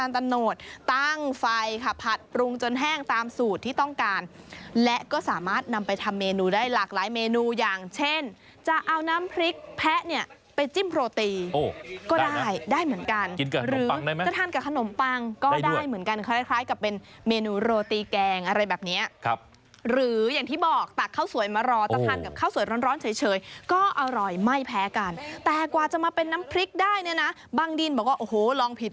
ตามสูตรที่ต้องการและก็สามารถนำไปทำเมนูได้หลากหลายเมนูอย่างเช่นจะเอาน้ำพริกแพะเนี่ยไปจิ้มโรตีก็ได้เหมือนกันหรือจะทานกับขนมปังก็ได้เหมือนกันคล้ายกับเป็นเมนูโรตีแกงอะไรแบบเนี้ยหรืออย่างที่บอกตักข้าวสวยมารอจะทานกับข้าวสวยร้อนเฉยก็อร่อยไม่แพ้กันแต่กว่าจะมาเป็นน้ำพริกได้เนี่